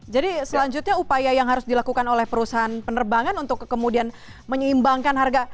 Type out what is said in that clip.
selanjutnya upaya yang harus dilakukan oleh perusahaan penerbangan untuk kemudian menyeimbangkan harga